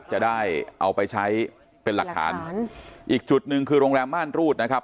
จะได้เอาไปใช้เป็นหลักฐานอีกจุดหนึ่งคือโรงแรมม่านรูดนะครับ